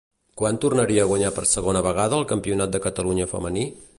Quan tornaria a guanyar per segona vegada el campionat de Catalunya femení?